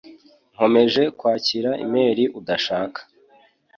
Nkomeje kwakira imeri udashaka.